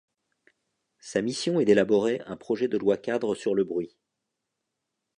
Sa mission est d'élaborer un projet de loi-cadre sur le bruit.